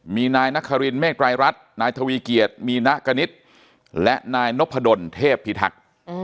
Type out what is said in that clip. มีนายนครินเมฆรายรัฐนายทวีเกียจมีนะกณิตและนายนพดลเทพพิทักษ์